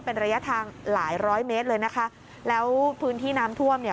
เป็นระยะทางหลายร้อยเมตรเลยนะคะแล้วพื้นที่น้ำท่วมเนี่ย